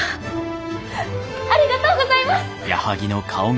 ありがとうございます！